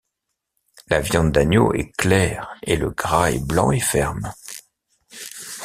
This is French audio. La viande d'agneau est claire et le gras est blanc et ferme.